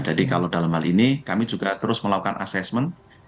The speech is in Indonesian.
jadi kalau dalam hal ini kami juga terus melakukan assessment